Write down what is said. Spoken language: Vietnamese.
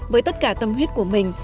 với tất cả tâm huyết của mình